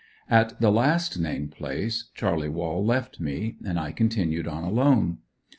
At the last named place Charlie Wall left me, and I continued on alone.